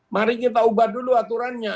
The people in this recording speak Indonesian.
mari kita ubah dulu aturannya